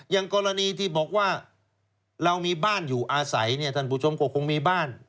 อย่างกรณีที่บอกว่าเรามีบ้านอยู่อาศัยเนี่ยท่านผู้ชมก็คงมีบ้าน